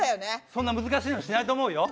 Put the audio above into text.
そんな難しいのしないと思うよ。